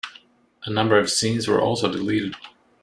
A number of scenes were also deleted.